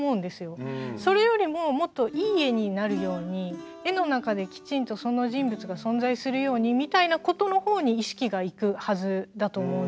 それよりももっといい絵になるように絵の中できちんとその人物が存在するようにみたいなことの方に意識がいくはずだと思うんですけど。